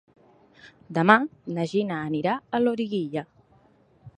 Demà na Gina anirà a Loriguilla.